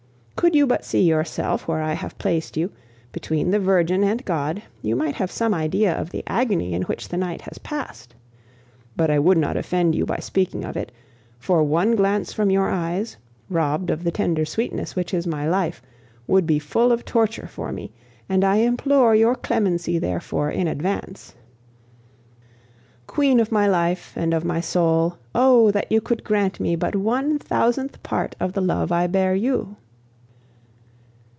Could you but see yourself where I have placed you, between the Virgin and God, you might have some idea of the agony in which the night has passed. But I would not offend you by speaking of it; for one glance from your eyes, robbed of the tender sweetness which is my life, would be full of torture for me, and I implore your clemency therefore in advance. Queen of my life and of my soul, oh! that you could grant me but one thousandth part of the love I bear you!